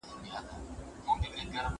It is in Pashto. هغه وويل چي کښېناستل ضروري دي!